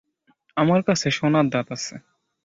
আমার কাছে সোনার দাঁত আছে।